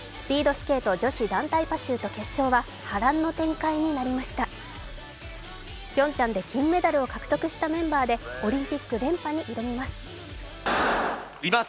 ピョンチャンで金メダルを獲得したメンバーでオリンピック連覇に挑みます。